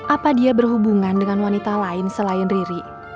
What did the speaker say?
apa dia berhubungan dengan wanita lain selain riri